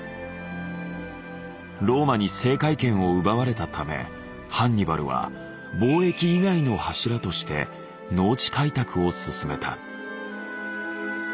ローマに制海権を奪われたためハンニバルは貿易以外の柱として農地開拓を進めた。